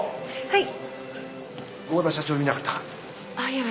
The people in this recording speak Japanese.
はい！